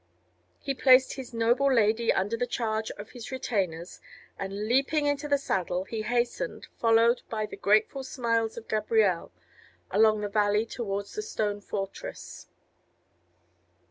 He placed his noble lady under the charge of his retainers, and leaping into the saddle, he hastened, followed by the grateful smiles of Gabrielle, along the valley towards the stone fortress.